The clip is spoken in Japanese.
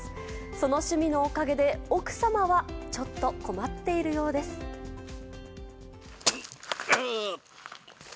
その趣味のおかげで奥様はちょっと困っているようです。やー！